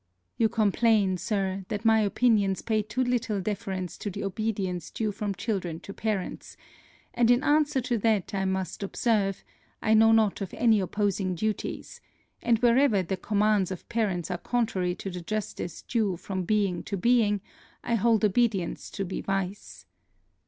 You complain, Sir, that my opinions pay too little deference to the obedience due from children to parents, and in answer to that I must observe, I know not of any opposing duties, and wherever the commands of parents are contrary to the justice due from being to being, I hold obedience to be vice.